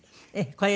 これ。